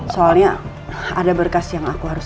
soalnya ada berkas yang aku harus